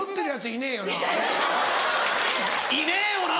「いねえよな⁉」。